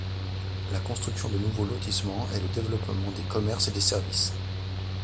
La construction de nouveaux lotissements et le développement des commerces et des services.